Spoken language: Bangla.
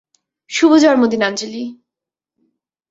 শুভ জন্মদিন আঞ্জলি।